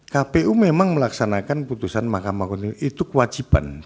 kpu memang melaksanakan putusan mahkamah konstitusi itu kewajiban